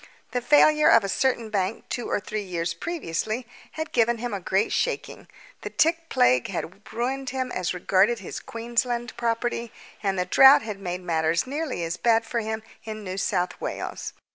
The failure of a certain bank two or three years previously had given him a great shaking. The tick plague had ruined him as regarded his Queensland property, and the drought had made matters nearly as bad for him in New South Wales.